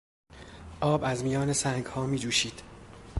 آب از میان سنگها میجوشید.